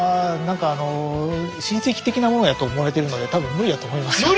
何かあの親戚的なものやと思われてるので多分無理やと思いますよ。